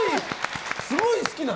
すごい好きなの？